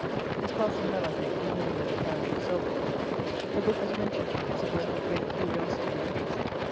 This parson had, I think, the living of the parish of Selborne. The book was mentioned to me as a work of great curiosity and interest.